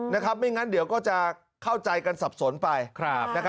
นะครับไม่งั้นจะเข้าใจกันสับสนไป